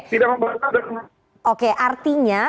tidak membantah oke artinya